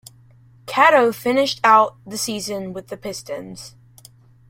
Cato finished out the season with the Pistons.